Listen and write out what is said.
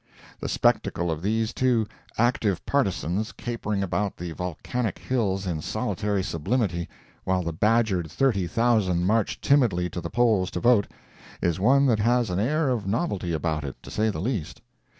The spectacle of these two active partisans capering about the volcanic hills in solitary sublimity, while the badgered 30,000 march timidly to the polls to vote, is one that has an air of novelty about it, to say the least.